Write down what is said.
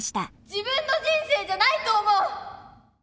自分の人生じゃないと思う。